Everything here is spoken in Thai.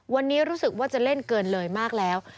วันนี้รู้สึกว่าจะเล่นเกินเลยมากแล้ว